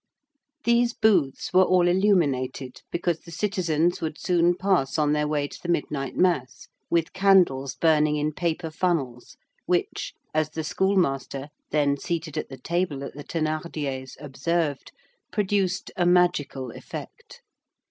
These booths were all illuminated, because the citizens would soon pass on their way to the midnight mass, with candles burning in paper funnels, which, as the schoolmaster, then seated at the table at the Thénardiers' observed, produced "a magical effect."